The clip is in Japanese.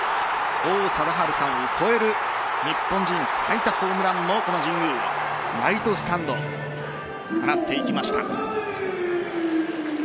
王貞治さんを超える日本人最多ホームランをこの神宮ライトスタンドに放っていきました。